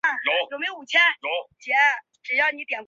拟鳞毛蕨为蹄盖蕨科拟鳞毛蕨属下的一个种。